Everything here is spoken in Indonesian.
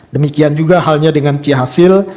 demikian juga halnya dengan c hasil